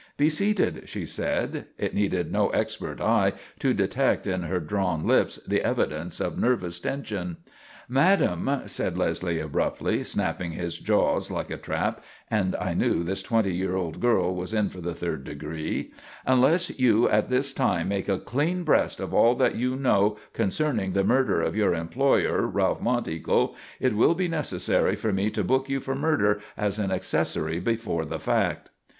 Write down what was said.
"Be seated," she said; it needed no expert eye to detect in her drawn lips the evidence of nervous tension. "Madam," said Leslie abruptly, snapping his jaws like a trap and I knew this twenty year old girl was in for the third degree "unless you at this time make a clean breast of all that you know concerning the murder of your employer, Ralph Monteagle, it will be necessary for me to book you for murder as an accessory before the fact."